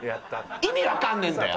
意味わかんねえんだよ！